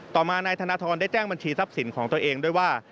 ต่อมานายธนทรได้แจ้งบัญชีทรัพย์สินของตัวเองด้วยว่า